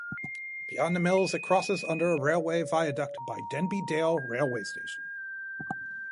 Beyond the mills, it crosses under a railway viaduct by Denby Dale railway station.